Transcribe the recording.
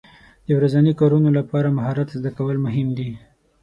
د ورځني کارونو لپاره مهارت زده کول مهم دي.